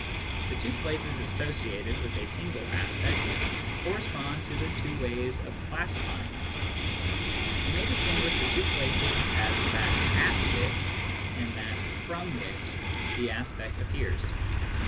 The two places associated with a single aspect correspond to the two ways of classifying it. We may distinguish the two places as that at which, and that from which, the aspect appears.